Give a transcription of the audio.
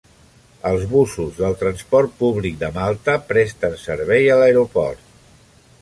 Els busos del transport públic de Malta presten servei a l'aeroport.